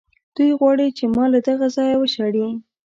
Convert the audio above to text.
دوی غواړي چې ما له دغه ځایه وشړي.